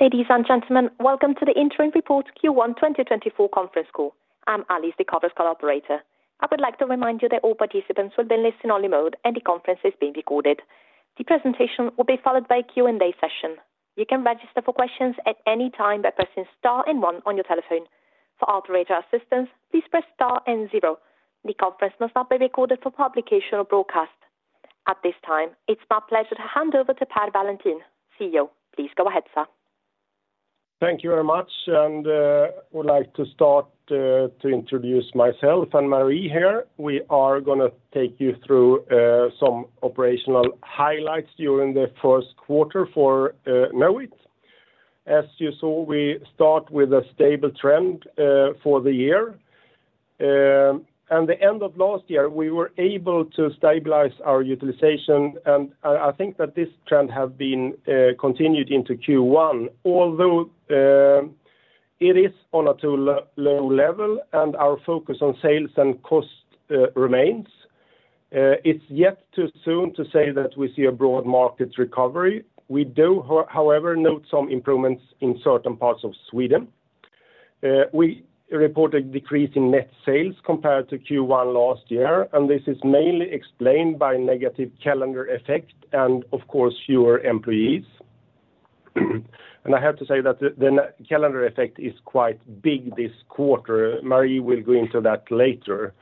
Ladies and gentlemen, welcome to the interim report Q1 2024 conference call. I'm Alice, the conference call operator. I would like to remind you that all participants will be in listen-only mode, and the conference is being recorded. The presentation will be followed by a Q&A session. You can register for questions at any time by pressing star and one on your telephone. For operator assistance, please press star and zero. The conference must not be recorded for publication or broadcast. At this time, it's my pleasure to hand over to Per Wallentin, CEO. Please go ahead, sir. Thank you very much, and, I would like to start, to introduce myself and Marie here. We are going to take you through, some operational highlights during the first quarter for, Knowit. As you saw, we start with a stable trend, for the year. And the end of last year, we were able to stabilize our utilization, and, I think that this trend have been, continued into Q1. Although, it is on a too low level, and our focus on sales and cost, remains. It's yet too soon to say that we see a broad market recovery. We do however, note some improvements in certain parts of Sweden. We reported a decrease in net sales compared to Q1 last year, and this is mainly explained by negative calendar effect and, of course, fewer employees. And I have to say that the calendar effect is quite big this quarter. Marie will go into that later.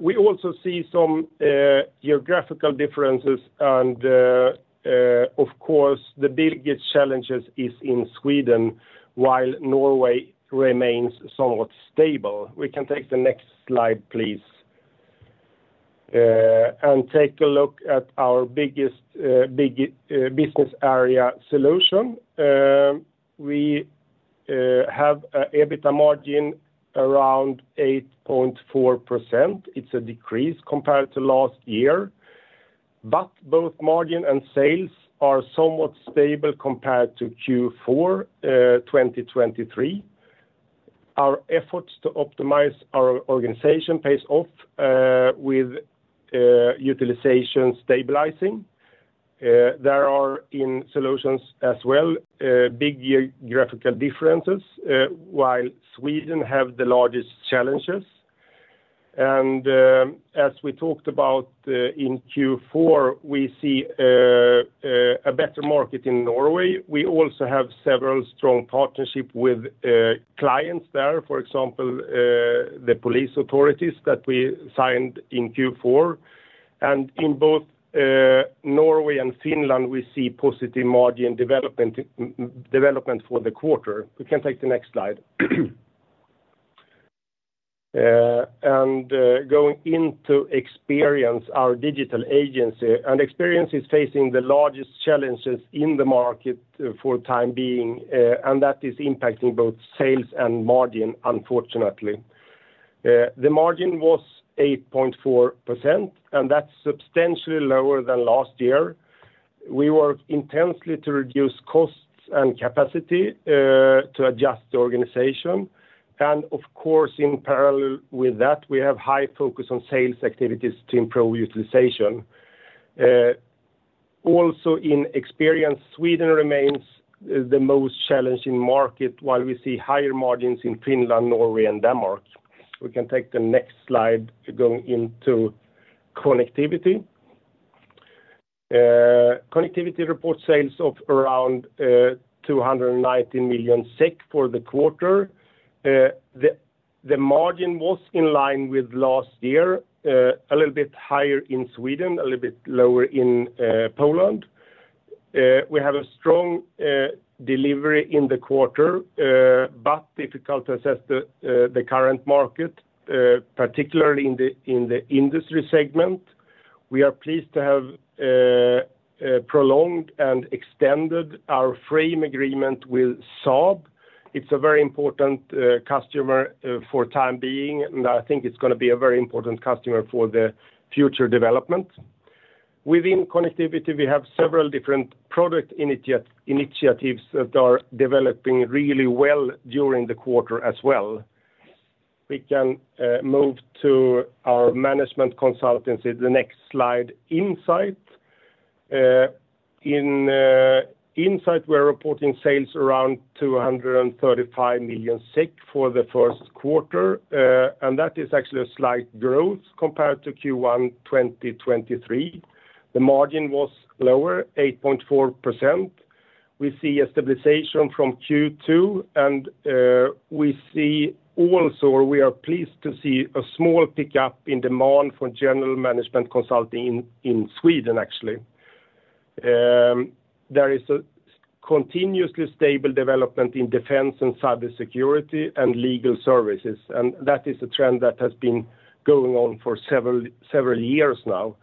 We also see some geographical differences and of course, the biggest challenges is in Sweden, while Norway remains somewhat stable. We can take the next slide, please. And take a look at our biggest business area Solutions. We have a EBITDA margin around 8.4%. It's a decrease compared to last year, but both margin and sales are somewhat stable compared to Q4 2023. Our efforts to optimize our organization pays off with utilization stabilizing. There are in Solutions as well big geographical differences while Sweden have the largest challenges. And as we talked about in Q4, we see a better market in Norway. We also have several strong partnerships with clients there, for example, the police authorities that we signed in Q4. And in both Norway and Finland, we see positive margin development for the quarter. We can take the next slide. Going into Experience, our digital agency, and Experience is facing the largest challenges in the market for the time being, and that is impacting both sales and margin, unfortunately. The margin was 8.4%, and that's substantially lower than last year. We worked intensely to reduce costs and capacity to adjust the organization, and of course, in parallel with that, we have high focus on sales activities to improve utilization. Also in Experience, Sweden remains the most challenging market, while we see higher margins in Finland, Norway, and Denmark. We can take the next slide to go into Connectivity. Connectivity reported sales of around 290 million SEK for the quarter. The margin was in line with last year, a little bit higher in Sweden, a little bit lower in Poland. We have a strong delivery in the quarter, but difficult to assess the current market, particularly in the industry segment. We are pleased to have prolonged and extended our frame agreement with Saab. It's a very important customer for the time being, and I think it's going to be a very important customer for the future development. Within Connectivity, we have several different product initiatives that are developing really well during the quarter as well. We can move to our management consultancy, the next slide, Insight. In Insight, we're reporting sales around 235 million SEK for the first quarter, and that is actually a slight growth compared to Q1 2023. The margin was lower, 8.4%. We see a stabilization from Q2, and we see also, or we are pleased to see a small pickup in demand for general management consulting in Sweden, actually. There is a continuously stable development in defense and cybersecurity and legal services, and that is a trend that has been going on for several years now.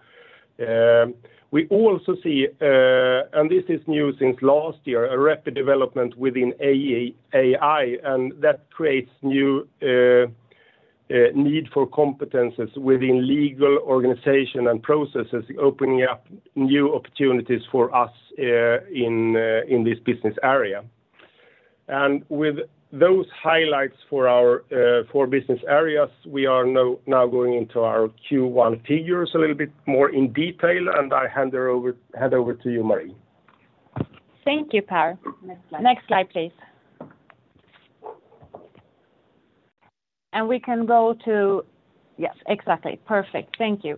We also see, and this is new since last year, a rapid development within AI, and that creates new need for competencies within legal organization and processes, opening up new opportunities for us in this business area. With those highlights for our four business areas, we are now going into our Q1 figures a little bit more in detail, and I hand over to you, Marie. Thank you, Per. Next slide, please. And we can go to. Yes, exactly. Perfect. Thank you.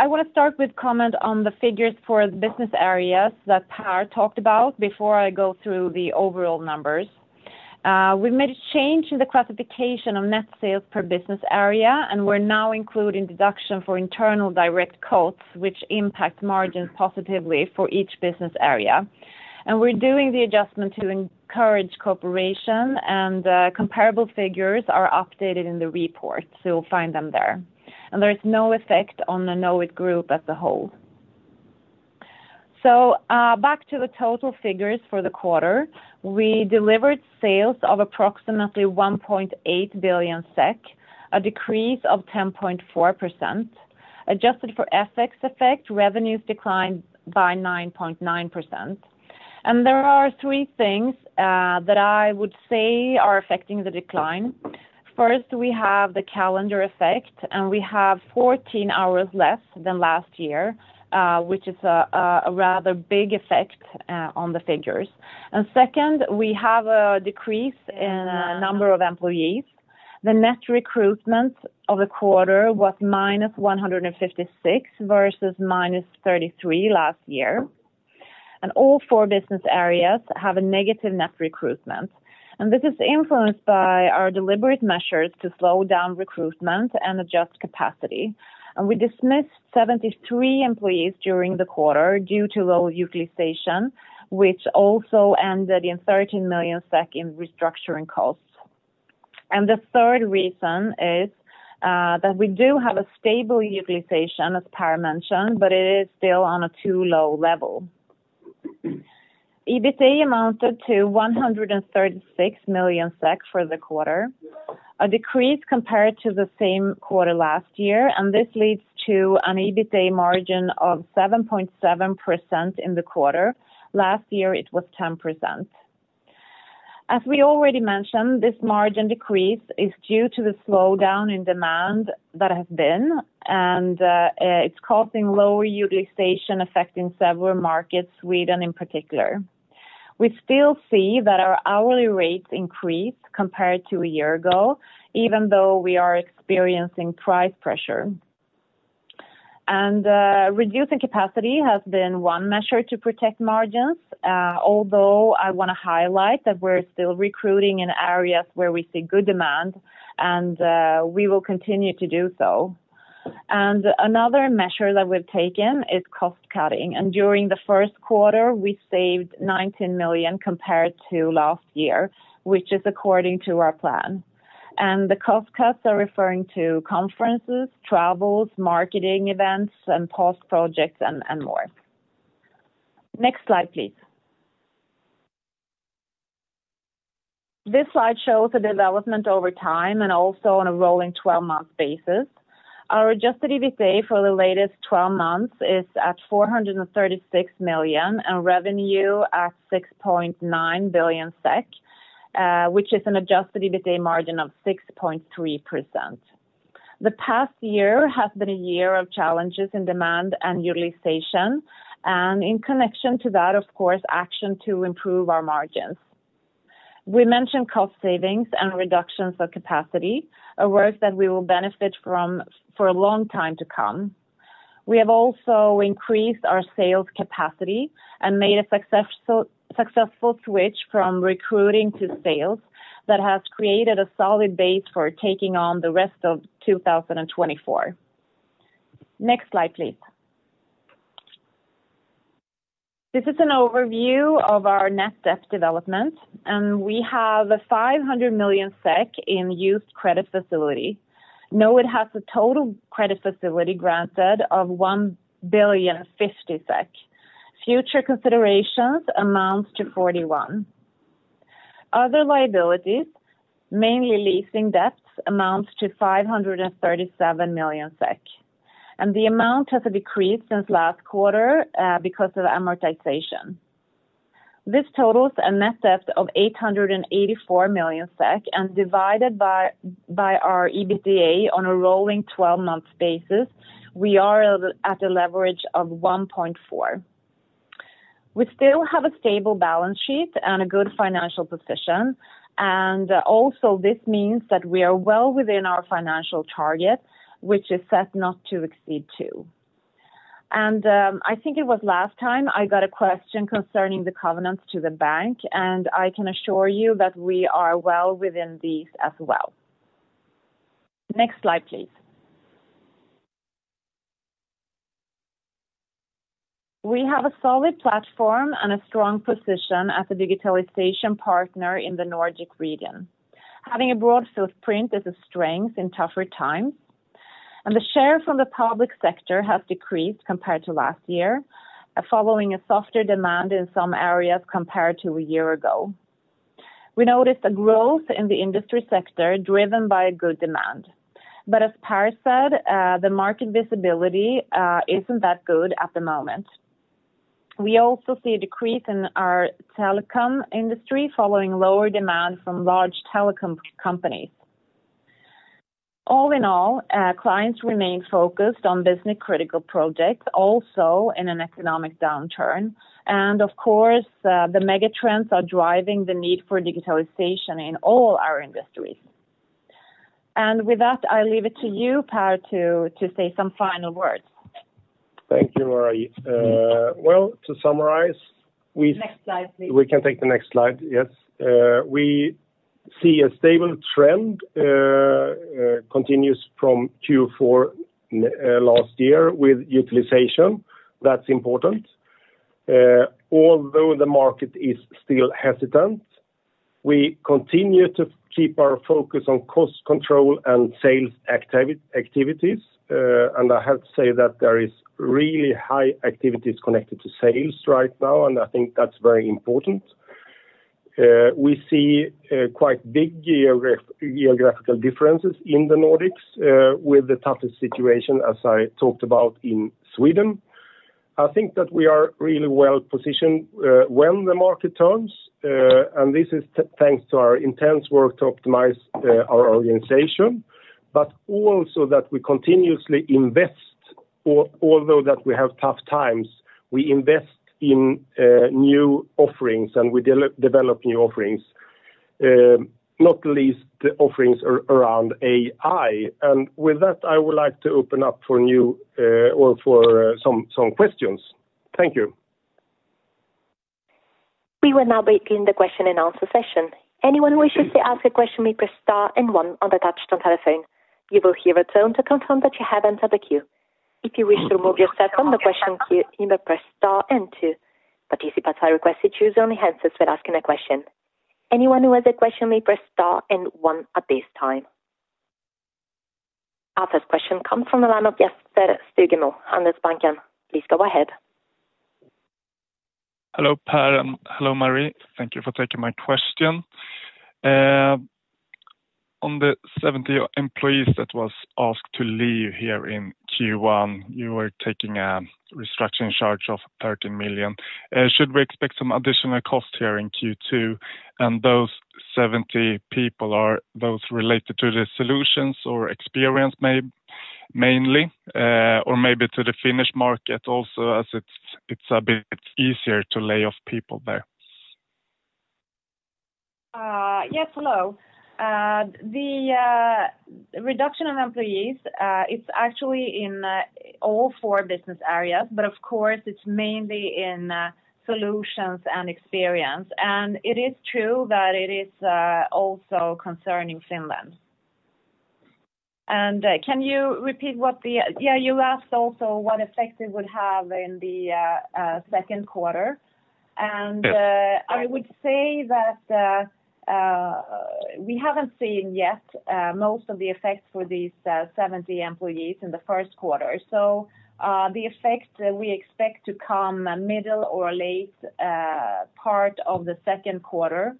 I wanna start with comment on the figures for the business areas that Per talked about before I go through the overall numbers. We made a change in the classification of net sales per business area, and we're now including deduction for internal direct costs, which impact margins positively for each business area. We're doing the adjustment to encourage cooperation, and comparable figures are updated in the report, so you'll find them there. There is no effect on the Knowit group as a whole. Back to the total figures for the quarter. We delivered sales of approximately 1.8 billion SEK, a decrease of 10.4%. Adjusted for FX effect, revenues declined by 9.9%. There are three things that I would say are affecting the decline. First, we have the calendar effect, and we have 14 hours less than last year, which is a rather big effect on the figures. Second, we have a decrease in number of employees. The net recruitment of the quarter was -156 versus -33 last year. All four business areas have a negative net recruitment. This is influenced by our deliberate measures to slow down recruitment and adjust capacity. We dismissed 73 employees during the quarter due to low utilization, which also ended in 13 million SEK in restructuring costs. The third reason is that we do have a stable utilization, as Per mentioned, but it is still on a too low level. EBITDA amounted to 136 million for the quarter, a decrease compared to the same quarter last year, and this leads to an EBITDA margin of 7.7% in the quarter. Last year, it was 10%. As we already mentioned, this margin decrease is due to the slowdown in demand that has been, and it's causing lower utilization, affecting several markets, Sweden in particular. We still see that our hourly rates increase compared to a year ago, even though we are experiencing price pressure. Reducing capacity has been one measure to protect margins, although I wanna highlight that we're still recruiting in areas where we see good demand, and we will continue to do so. Another measure that we've taken is cost cutting, and during the first quarter, we saved 19 million compared to last year, which is according to our plan. The cost cuts are referring to conferences, travels, marketing events, and post projects and more. Next slide, please. This slide shows the development over time and also on a rolling twelve-month basis. Our adjusted EBITDA for the latest twelve months is at 436 million, and revenue at 6.9 billion SEK, which is an adjusted EBITDA margin of 6.3%. The past year has been a year of challenges in demand and utilization, and in connection to that, of course, action to improve our margins. We mentioned cost savings and reductions of capacity, a work that we will benefit from for a long time to come. We have also increased our sales capacity and made a successful switch from recruiting to sales that has created a solid base for taking on the rest of 2024. Next slide, please. This is an overview of our net debt development, and we have 500 million SEK in used credit facility. Knowit has a total credit facility granted of 1.60 billion. Future considerations amounts to 41 million. Other liabilities, mainly leasing debts, amounts to 537 million SEK, and the amount has decreased since last quarter, because of amortization. This totals a net debt of 884 million SEK, and divided by our EBITDA on a rolling twelve-month basis, we are at a leverage of 1.4. We still have a stable balance sheet and a good financial position, and also this means that we are well within our financial target, which is set not to exceed two. And, I think it was last time I got a question concerning the covenants to the bank, and I can assure you that we are well within these as well. Next slide, please. We have a solid platform and a strong position as a digitalization partner in the Nordic region. Having a broad footprint is a strength in tougher times, and the share from the public sector has decreased compared to last year, following a softer demand in some areas compared to a year ago. We noticed a growth in the industry sector, driven by good demand. But as Per said, the market visibility isn't that good at the moment. We also see a decrease in our telecom industry, following lower demand from large telecom companies. All in all, clients remain focused on business-critical projects, also in an economic downturn. And of course, the megatrends are driving the need for digitalization in all our industries. And with that, I leave it to you, Per, to say some final words. Thank you, Marie. Well, to summarize, we- Next slide, please. We can take the next slide, yes. We see a stable trend continuous from Q4 last year with utilization. That's important. Although the market is still hesitant, we continue to keep our focus on cost control and sales activities. And I have to say that there is really high activities connected to sales right now, and I think that's very important. We see quite big geographical differences in the Nordics with the toughest situation, as I talked about in Sweden. I think that we are really well positioned when the market turns, and this is thanks to our intense work to optimize our organization, but also that we continuously invest. Although that we have tough times, we invest in new offerings, and we develop new offerings, not least the offerings around AI. And with that, I would like to open up for new or for some questions. Thank you. We will now begin the question and answer session. Anyone who wishes to ask a question, may press star and one on the touchtone telephone. You will hear a tone to confirm that you have entered the queue. If you wish to remove yourself from the question queue, you may press star and two. Participants are requested to use only handsets when asking a question. Anyone who has a question may press star and one at this time. Our first question comes from the line of Jesper Stugemo, Handelsbanken. Please go ahead. Hello, Per, and hello, Marie. Thank you for taking my question. On the 70 employees that was asked to leave here in Q1, you were taking a restructuring charge of 13 million. Should we expect some additional costs here in Q2? And those 70 people, are those related to the solutions or experience mainly, or maybe to the Finnish market also, as it's a bit easier to lay off people there? Yes, hello. The reduction of employees, it's actually in all four business areas, but of course, it's mainly in solutions and experience. It is true that it is also concerning Finland. Can you repeat what the. Yeah, you asked also what effect it would have in the second quarter. Yes. I would say that we haven't seen yet most of the effects for these 70 employees in the first quarter. So, the effect we expect to come middle or late part of the second quarter.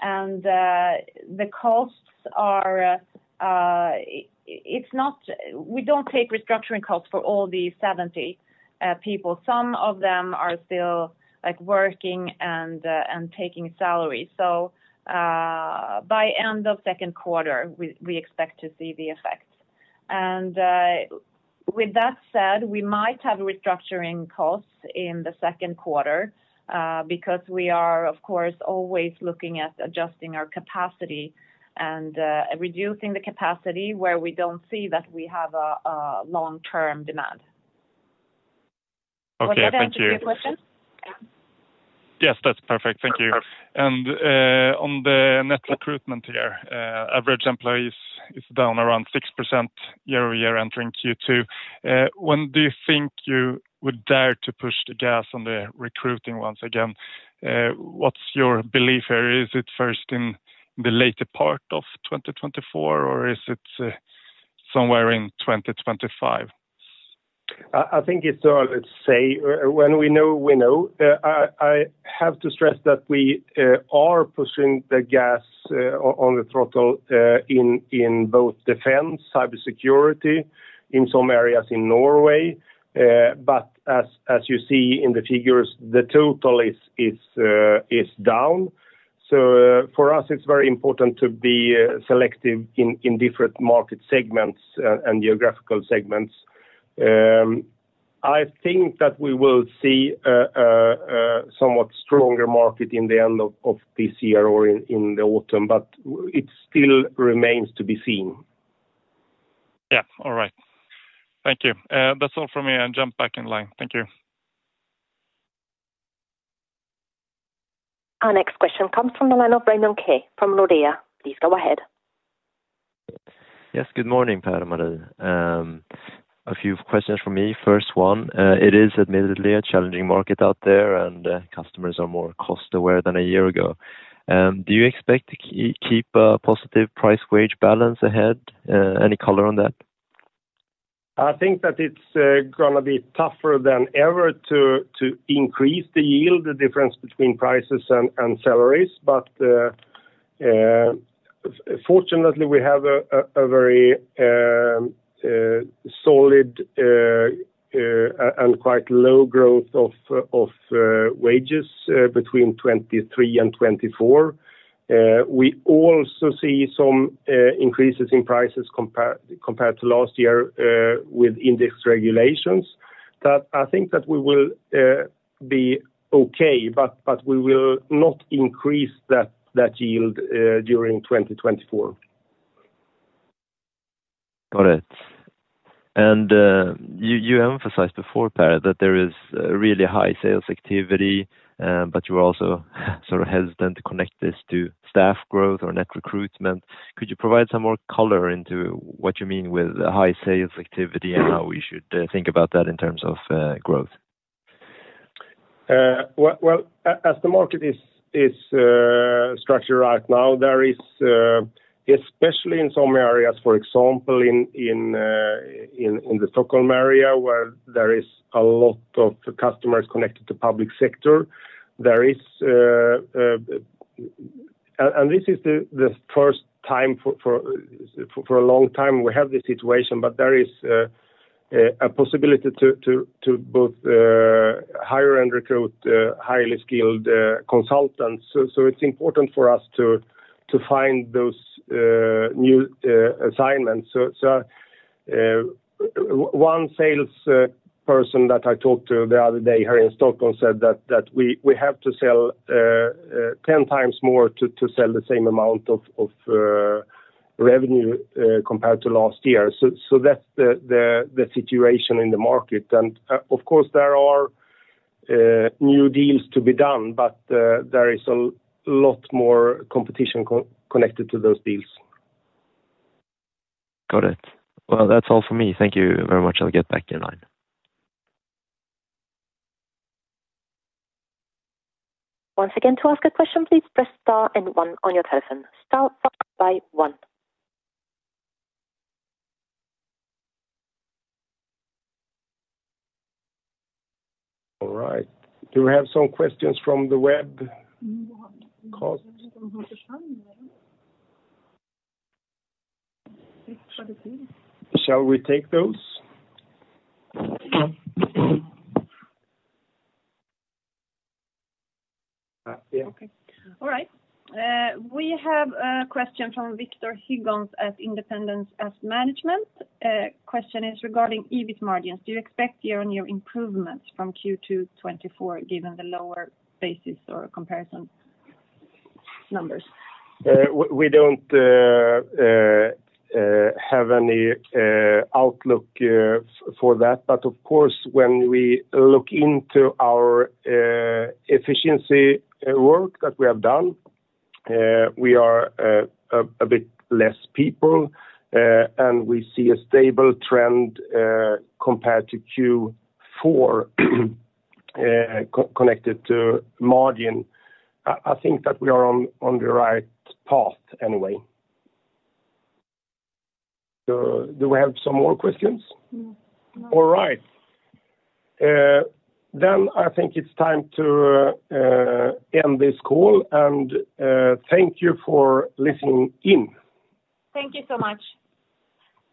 And, the costs are. It's not we don't take restructuring costs for all the 70 people. Some of them are still, like, working and, and taking salaries. So, by end of second quarter, we, we expect to see the effect. And, with that said, we might have restructuring costs in the second quarter, because we are, of course, always looking at adjusting our capacity and, reducing the capacity where we don't see that we have a, a long-term demand. Okay, thank you. Does that answer your question? Yes, that's perfect. Thank you. And, on the net recruitment here, average employees is down around 6% year-over-year, entering Q2. When do you think you would dare to push the gas on the recruiting once again? What's your belief here? Is it first in the later part of 2024, or is it, somewhere in 2025? I think it's all, let's say, when we know, we know. I have to stress that we are pushing the gas on the throttle in both defense, cybersecurity, in some areas in Norway. But as you see in the figures, the total is down. So, for us, it's very important to be selective in different market segments and geographical segments. I think that we will see a somewhat stronger market in the end of this year or in the autumn, but it still remains to be seen. Yeah. All right. Thank you. That's all for me. I jump back in line. Thank you. Our next question comes from the line of Raymond Keefe from Nordea. Please go ahead. Yes, good morning, Per and Marie. A few questions from me. First one, it is admittedly a challenging market out there, and customers are more cost aware than a year ago. Do you expect to keep a positive price wage balance ahead? Any color on that? I think that it's gonna be tougher than ever to increase the yield, the difference between prices and salaries. But fortunately, we have a very solid and quite low growth of wages between 2023 and 2024. We also see some increases in prices compared to last year with index regulations. But I think that we will be okay, but we will not increase that yield during 2024. Got it. You emphasized before, Per, that there is really high sales activity, but you're also sort of hesitant to connect this to staff growth or net recruitment. Could you provide some more color into what you mean with high sales activity and how we should think about that in terms of growth? Well, as the market is structured right now, there is especially in some areas, for example, in the Stockholm area, where there is a lot of customers connected to public sector, there is. And this is the first time for a long time we have this situation, but there is a possibility to both hire and recruit highly skilled consultants. So, one sales person that I talked to the other day here in Stockholm said that we have to sell ten times more to sell the same amount of revenue compared to last year. So that's the situation in the market. And, of course, there are new deals to be done, but there is a lot more competition connected to those deals. Got it. Well, that's all for me. Thank you very much. I'll get back in line. Once again, to ask a question, "please press star one" on your telephone. Star one. All right. Do we have some questions from the web? Shall we take those? Okay. All right. We have a question from Viktor Höglund at Inderes. Question is regarding EBIT margins. Do you expect year-on-year improvements from Q2 2024, given the lower basis or comparison numbers? We don't have any outlook for that. But of course, when we look into our efficiency work that we have done, we are a bit less people, and we see a stable trend compared to Q4, connected to margin. I think that we are on the right path anyway. So do we have some more questions? All right. Then I think it's time to end this call, and thank you for listening in. Thank you so much.